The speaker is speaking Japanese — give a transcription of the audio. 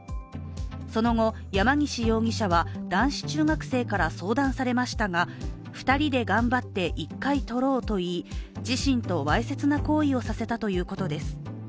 その後、山岸容疑者は男子中学生から相談されましたが、２人で頑張って、１回撮ろうといい自身とわいせつな行為をさせたということです